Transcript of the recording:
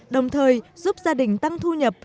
đồng thời giúp gia đình tăng thu nhập